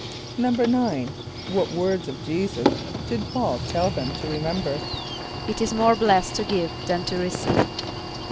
= =9.= What words of J[=e]´[s+]us did P[a:]ul tell them to remember? ="It is more blessed to give than to receive."